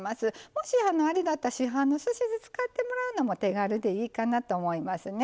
もし、あれだったら市販のすし酢使っていただくのも手軽でいいかなと思います。